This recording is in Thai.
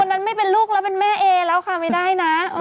นั้นไม่เป็นลูกแล้วเป็นแม่เอแล้วค่ะไม่ได้นะ